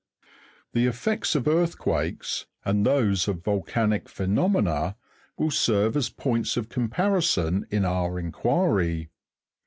The effects of earthquakes, and those of volcanic phenomena, will serve as points of comparison in our inquiry.